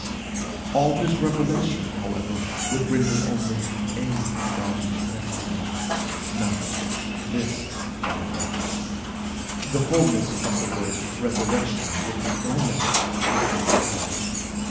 All this revelation, however, would render only a body necessary, not this body. The fulness of the word Resurrection would be ill met if this were all.